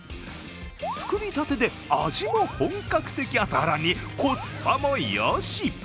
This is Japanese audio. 作りたてで味も本格的、更にコスパもよし。